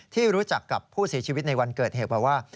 ที่รู้จักกับผู้เสียชีวิตในวันเกิดเหตุบอกว่า